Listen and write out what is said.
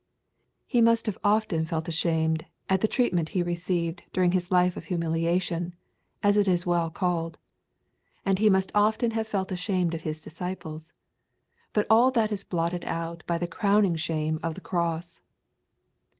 He must have often felt ashamed at the treatment He received during His life of humiliation, as it is well called; and He must often have felt ashamed of His disciples: but all that is blotted out by the crowning shame of the cross.